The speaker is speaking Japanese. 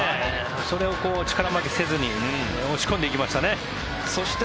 それを力負けせずに押し込んでいきましたね。